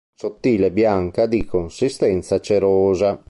Sottile, bianca di consistenza cerosa.